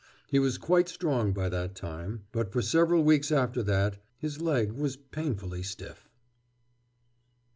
He was quite strong by that time. But for several weeks after that his leg was painfully stiff.